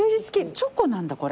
チョコなんだこれ。